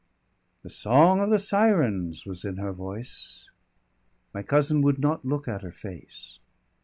The song of the sirens was in her voice; my cousin would not look at her face.